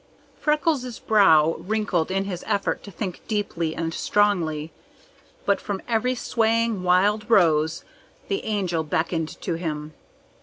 Freckles' brow wrinkled in his effort to think deeply and strongly, but from every swaying wild rose the Angel beckoned to him.